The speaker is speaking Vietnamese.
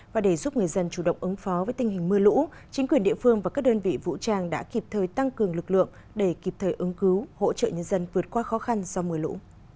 và để giúp người dân chủ động ứng phó với tình hình mưa lũ chính quyền địa phương và các đơn vị vũ trang đã kịp thời tăng cường lực lượng để kịp thời ứng cứu hỗ trợ nhân dân vượt qua khó khăn do mưa lũ